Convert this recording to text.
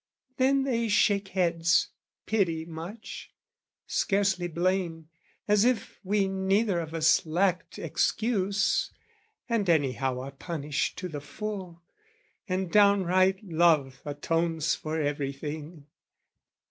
Then they shake heads, pity much, scarcely blame As if we neither of us lacked excuse, And anyhow are punished to the full, And downright love atones for everything!